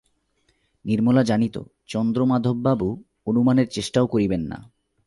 নির্মলা জানিত চন্দ্রমাধববাবু অনুমানের চেষ্টাও করিবেন না।